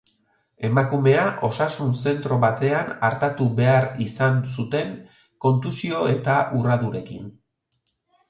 Emakumea osasun zentro batean artatu behar izan zuten, kontusio eta urradurekin.